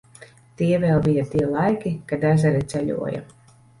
Tie vēl bija tie laiki, kad ezeri ceļoja.